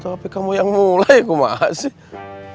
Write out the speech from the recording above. topik kamu yang mulai ya kumasuk